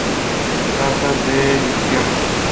Cartas del destierro.